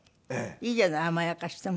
いいじゃない甘やかしても。